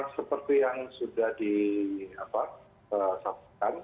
seperti yang sudah disaksikan